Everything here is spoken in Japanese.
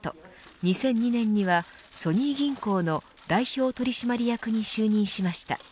２００２年にはソニー銀行の代表取締役に就任しました。